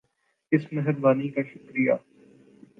اس مہربانی کا شکریہ